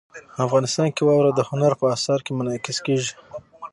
افغانستان کې واوره د هنر په اثار کې منعکس کېږي.